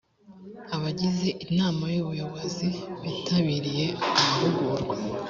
abagize inama y’ubuyobozi bitabiriye amahugurwa